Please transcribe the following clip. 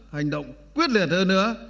hành động quyết liệt hơn nữa